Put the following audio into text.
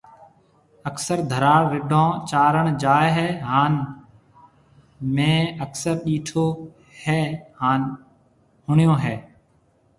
اڪثر ڌراڙ رڍون چارڻ جاوي هي هان مينهه اڪثر ڏيٺو هي هان ۿڻيو هي